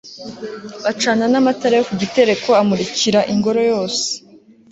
bacana n'amatara yo ku gitereko, amurikiringoro yose